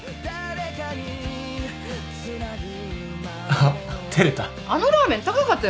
あっ照れた。